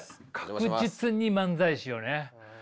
確実に漫才師よね。